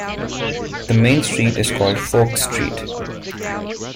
The main street is called Vogts Street.